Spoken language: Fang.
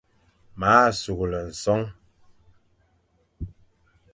M a sughle sôm.